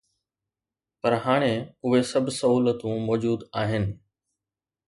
پر هاڻي اهي سڀ سهولتون موجود آهن.